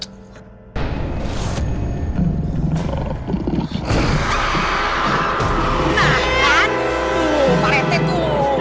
nah kan tuh pak rt tuh